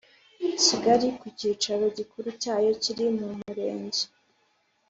Kigali ku cyicaro gikuru cyayo kiri mu Murenge